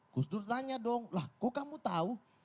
gus dur tanya dong lah kok kamu tahu